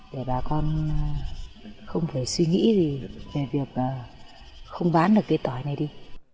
để bà con không phải suy nghĩ về việc không bán được cây tỏi này đi